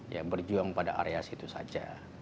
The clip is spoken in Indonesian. ya berjuang pada area situ saja